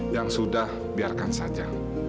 yang sudah biarkan saja